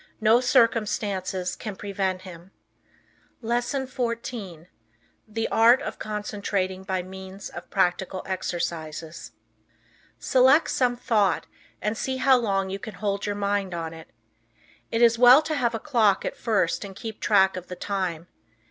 No circumstances can prevent him. LESSON XIV. THE ART OF CONCENTRATING BY MEANS OF PRACTICAL EXERCISES Select some thought, and see how long you can hold your mind on it. It is well to have a clock at first and keep track of the time.